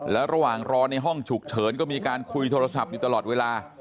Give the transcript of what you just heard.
แล้วระหว่างรอในห้องฉุกเฉินก็มีการคุยโทรศัพท์อยู่ตลอดเวลา